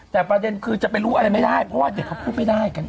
แต่ประเด็นคือจะไปรู้อะไรไม่ได้เพราะว่าเด็กเขาพูดไม่ได้